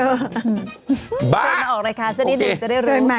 เชิญมาออกเลยค่ะเช่นนี้หนูจะได้รู้